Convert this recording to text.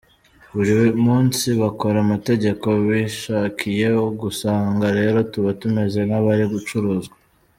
Buri munsi bakora amategeko bishakiye ugasanga rero tuba tumeze nk’abari gucuruzwa.